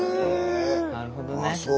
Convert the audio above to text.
なるほどね。